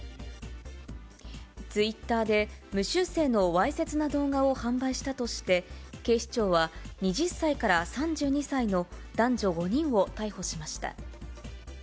ツイッターで無修正のわいせつな動画を販売したとして、警視庁は２０歳から３２歳の男女５人を逮捕しました。